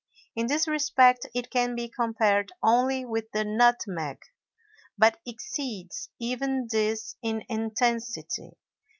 In this respect it can be compared only with the nutmeg, but exceeds even this in intensity.